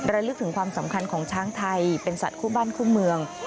ระลึกถึงความสำคัญของช้างไทยเป็นสัตว์คู่บ้านคู่เมือง